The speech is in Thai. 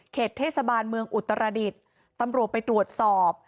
เทศบาลเมืองอุตรดิษฐ์ตำรวจไปตรวจสอบ